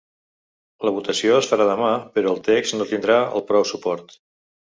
La votació es farà demà, però el text no tindrà el prou suport.